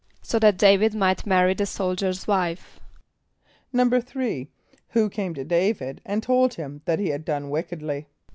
=So that D[=a]´vid might marry the soldier's wife.= =3.= Who came to D[=a]´vid and told him that he had done wickedly?